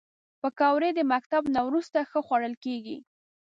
پکورې د مکتب نه وروسته ښه خوړل کېږي